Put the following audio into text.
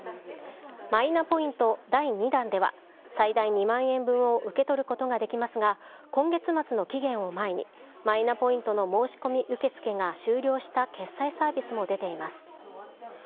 マイナポイント第２弾では、最大２万円分を受け取ることができますが、今月末の期限を前に、マイナポイントの申し込み受け付けが終了した決済サービスも出ています。